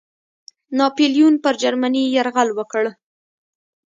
ناپلیون پر جرمني یرغل وکړ.